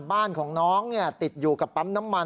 บ้านของน้องติดอยู่กับปั๊มน้ำมัน